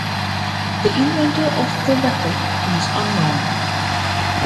The inventor of the rackett is unknown.